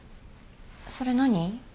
それ何？